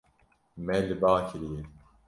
Me li ba kiriye.